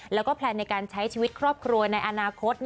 แล้วก็แพลนในการใช้ชีวิตครอบครัวในอนาคต